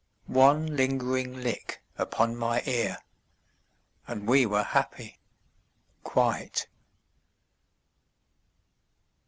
One lingering lick upon my ear And we were happy quite.